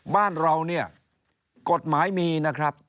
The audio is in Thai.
บ้านเราเนี่ยกฎหมายมีนะครับ